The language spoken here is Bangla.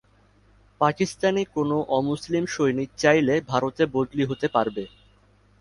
পাকিস্তানি কোনো অমুসলিম সৈনিক চাইলে ভারতে বদলি হতে পারবে।